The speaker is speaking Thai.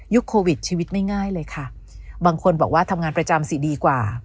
โควิดชีวิตไม่ง่ายเลยค่ะบางคนบอกว่าทำงานประจำสิดีกว่า